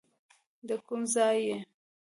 د کوم ځای یې.